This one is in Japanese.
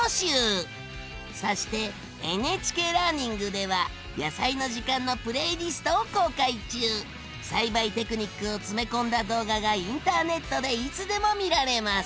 そしてＮＨＫラーニングでは「やさいの時間」のプレイリストを公開中！栽培テクニックを詰め込んだ動画がインターネットでいつでも見られます！